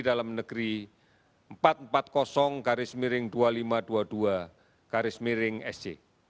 dalam negeri empat ratus empat puluh dua ribu lima ratus dua puluh dua sc